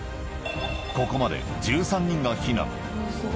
ここまで１３人が避難。